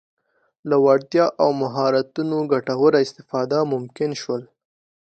له وړتیاوو او مهارتونو ګټوره استفاده ممکن شول.